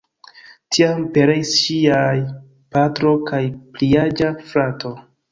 Tiam pereis ŝiaj patro kaj pliaĝa frato.